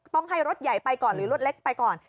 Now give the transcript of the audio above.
ต้องให้รถใหญ่ไปก่อนหรือรถเล็กไปก่อน